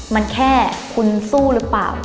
มันแค่คุณสู้หรือเปล่า